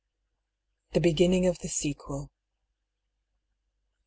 THE BEGINinKG OF THE SEQUEL.